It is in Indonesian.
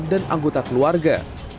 dan anggota keluarga